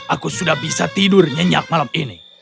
aku sudah bisa tidur nyenyak malam ini